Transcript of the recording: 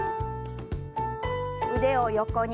腕を横に。